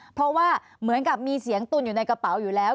เพราะว่าเหมือนกับมีเสียงตุนอยู่ในกระเป๋าอยู่แล้ว